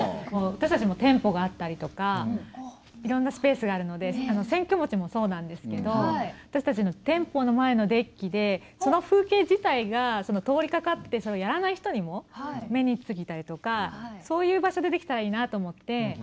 私たちも店舗があったりとかいろんなスペースがあるので「選挙もち」もそうなんですけど私たちの店舗の前のデッキでその風景自体が通りかかってやらない人にも目についたりとかそういう場所でできたらいいなと思って。